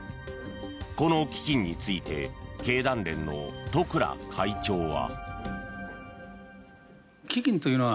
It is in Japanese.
この基金について経団連の十倉会長は。